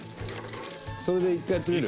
それで１回やってみる？